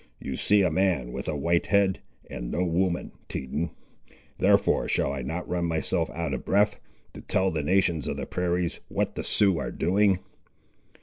You see a man with a white head, and no woman, Teton; therefore shall I not run myself out of breath, to tell the nations of the prairies what the Siouxes are doing."